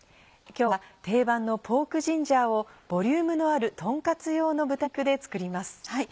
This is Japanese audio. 今日は定番のポークジンジャーをボリュームのあるとんカツ用の豚肉で作ります。